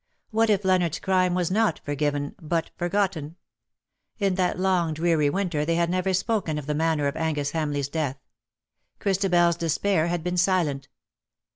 What if Leonardos crime was not forgiven, but forgotten ? In that long dreary winter they had never spoken of the manner of Angus Hamleigh's death. ChristabeFs despair had been silent.